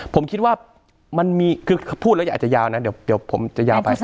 ผมคิดว่ามันมีคือพูดแล้วอาจจะยาวนะเดี๋ยวผมจะยาวไป